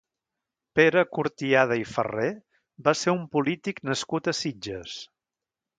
Pere Curtiada i Ferrer va ser un polític nascut a Sitges.